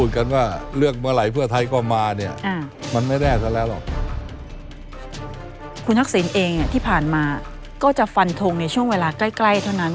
คุณทักษิณเองที่ผ่านมาก็จะฟันทงในช่วงเวลาใกล้เท่านั้น